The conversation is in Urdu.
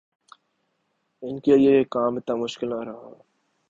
ان کیلئے یہ کام اتنا مشکل نہ رہا۔